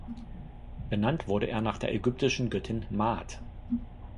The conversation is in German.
Benannt wurde er nach der ägyptischen Göttin Maat.